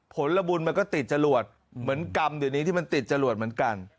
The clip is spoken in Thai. ผลบุญมันก็ติดจรวดเหมือนกรรมเดี๋ยวนี้ที่มันติดจรวดเหมือนกัน